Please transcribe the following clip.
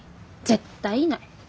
絶対いない！